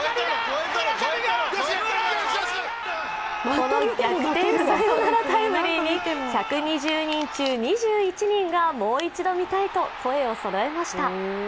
この逆転サヨナラタイムリーに１２０人中２７人がもう一度見たいと声をそろえました。